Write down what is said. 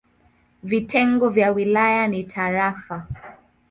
Vitengo vya wilaya ni tarafa.